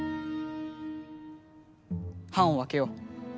はんを分けよう。